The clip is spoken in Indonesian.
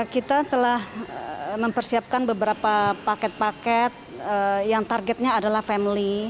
kita telah mempersiapkan beberapa paket paket yang targetnya adalah family